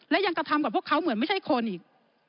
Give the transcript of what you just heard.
และยังกระทำกับพวกเขาเหมือนไม่ใช่คนอีก